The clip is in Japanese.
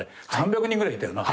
３００人ぐらいいたよな。